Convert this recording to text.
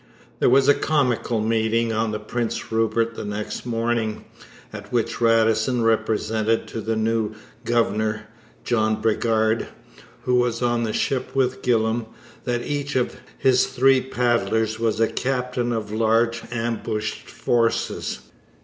There was a comical meeting on the Prince Rupert the next morning, at which Radisson represented to the new governor, John Bridgar, who was on the ship with Gillam, that each of his three paddlers was a captain of large ambushed forces.